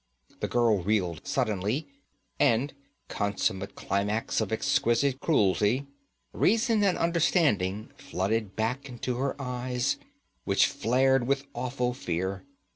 The girl reeled suddenly and, consummate climax of exquisite cruelty, reason and understanding flooded back into her eyes, which flared with awful fear.